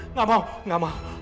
enggak mau enggak mau